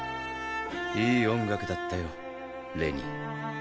いい音楽だったよレニー。